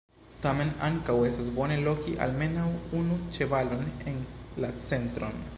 Tamen ankaŭ estas bone loki almenaŭ unu ĉevalon en la centron.